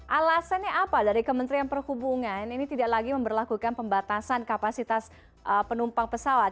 alasannya apa dari kementerian perhubungan ini tidak lagi memperlakukan pembatasan kapasitas penumpang pesawat